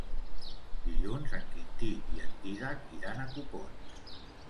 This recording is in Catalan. Dilluns en Quintí i en Dídac iran a Copons.